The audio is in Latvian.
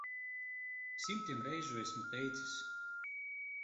Simtiem reižu esmu teicis.